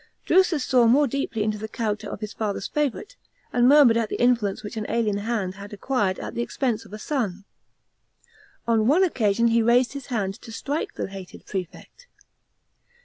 Drusus saw more deeply into the character of his father's favourite, and mur mured at the influence which an alien had acquired at the expense of a son. On one occasion he raised his hand to strike the hated prefect.